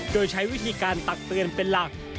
โดยใช้วิธีการตักเตือนเป็นหลัก